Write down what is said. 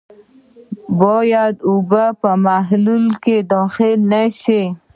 باید اوبه په محلول کې داخلې نه شي.